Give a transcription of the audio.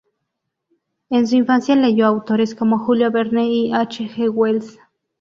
En su infancia leyó a autores como Julio Verne y a H. G. Wells.